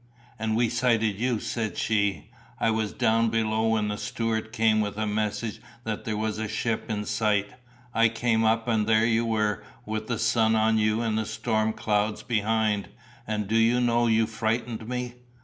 "And we sighted you," said she, "I was down below when the steward came with a message that there was a ship in sight, I came up and there you were with the sun on you and the storm clouds behind, and do you know you frightened me."